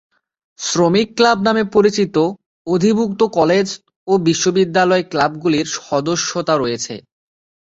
শ্রমিক ক্লাব নামে পরিচিত অধিভুক্ত কলেজ ও বিশ্ববিদ্যালয় ক্লাবগুলির সদস্যতা রয়েছে।